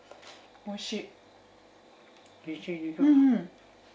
おいしい。